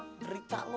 masa diberikan lo